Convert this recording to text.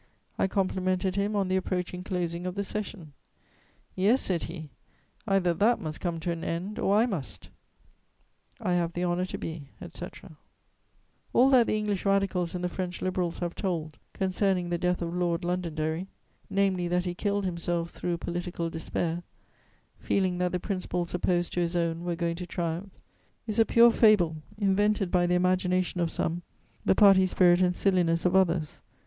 I complimented him on the approaching closing of the session: "'Yes,' said he, 'either that must come to an end, or I must.' "I have the honour to be, etc." [Sidenote: Details of the suicide.] All that the English Radicals and the French Liberals have told concerning the death of Lord Londonderry, namely, that he killed himself through political despair, feeling that the principles opposed to his own were going to triumph, is a pure fable invented by the imagination of some, the party spirit and silliness of others.